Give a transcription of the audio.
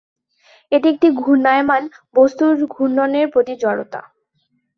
এটি একটি ঘূর্ণায়মান বস্তুর ঘূর্ণনের প্রতি জড়তা।